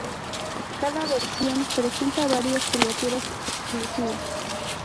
Cada versión presenta varias criaturas exclusivas.